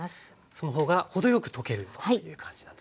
その方が程よく溶けるという感じなんですね。